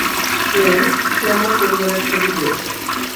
প্রেম, সে আমার পরিবারের ছবি দিয়েছে।